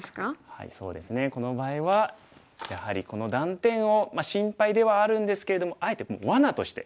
そうですねこの場合はやはりこの断点をまあ心配ではあるんですけれどもあえてもうわなとして。